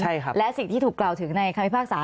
ใช่ครับและสิ่งที่ถูกกล่าวถึงในคำพิพากษา